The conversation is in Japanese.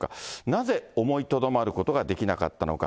なぜ思いとどまることができなかったのか。